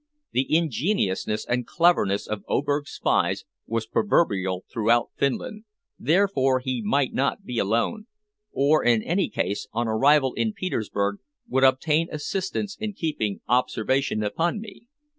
The ingeniousness and cleverness of Oberg's spies was proverbial throughout Finland, therefore he might not be alone, or in any case, on arrival in Petersburg would obtain assistance in keeping observation upon me.